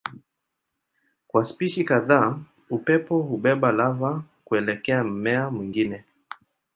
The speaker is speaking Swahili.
Kwa spishi kadhaa upepo hubeba lava kuelekea mmea mwingine.